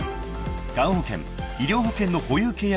［がん保険・医療保険の保有契約